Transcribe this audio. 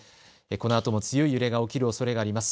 このあとも強い揺れが起きるおそれがあります。